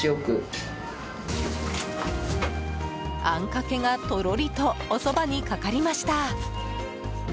あんかけがとろりとおそばにかかりました。